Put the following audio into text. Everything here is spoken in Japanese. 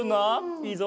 いいぞ。